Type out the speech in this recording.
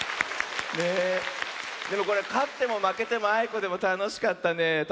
でもこれかってもまけてもあいこでもたのしかったねえ。